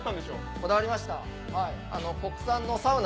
こだわりました。